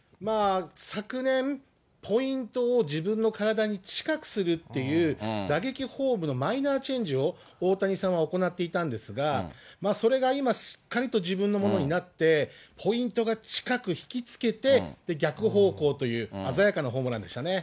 昨年、ポイントを自分の体に近くするっていう打撃フォームのマイナーチェンジを大谷さんは行っていたんですが、それが今、しっかりと自分のものになって、ポイントが近く引き付けて、逆方向という、鮮やかなホームランでしたね。